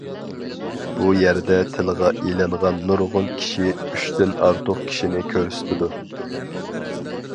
بۇ يەردە تىلغا ئېلىنغان نۇرغۇن كىشى ئۈچتىن ئارتۇق كىشىنى كۆرسىتىدۇ.